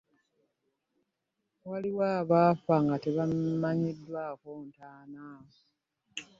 Waliwo abaafa nga tebamanyiddwaako ntaana.